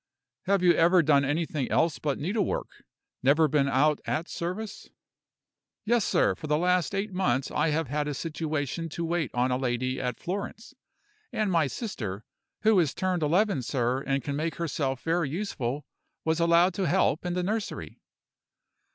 "Have you never done anything else but needlework? never been out at service?" "Yes, sir. For the last eight months I have had a situation to wait on a lady at Florence, and my sister (who is turned eleven, sir, and can make herself very useful) was allowed to help in the nursery."